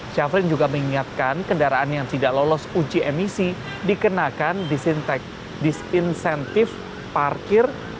syafrin juga mengingatkan kendaraan yang tidak lolos uji emisi dikenakan disintek disinsentif parkir